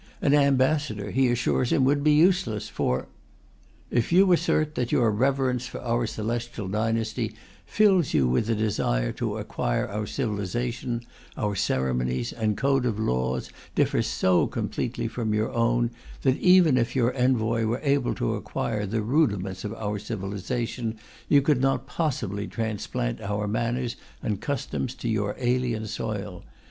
An ambassador, he assures him, would be useless, for: If you assert that your reverence for our Celestial Dynasty fills you with a desire to acquire our civilization, our ceremonies and code of laws differ so completely from your own that, even if your Envoy were able to acquire the rudiments of our civilization, you could not possibly transplant our manners and customs to your alien soil.